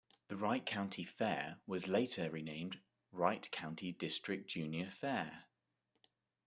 The Wright County Fair was later renamed the Wright County District Junior Fair.